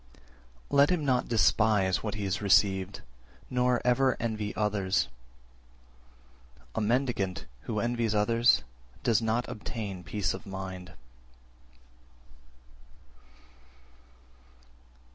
365. Let him not despise what he has received, nor ever envy others: a mendicant who envies others does not obtain peace of mind.